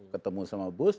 ketemu sama bush